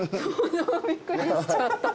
びっくりしちゃった。